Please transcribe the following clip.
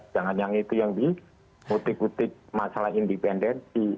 jangan yang itu yang diputih putih masalah independensi